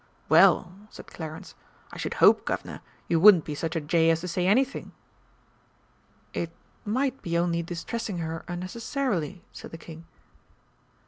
"Well," said Clarence, "I should hope, Guv'nor, you wouldn't be such a jay as to say anything." "It might be only distressing her unnecessarily," said the King.